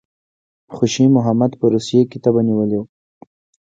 خوشي محمد په روسیې کې تبه نیولی وو.